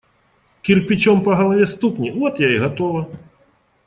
Кирпичом по голове стукни – вот я и готова.